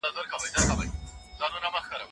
چي هغه ستا سيورى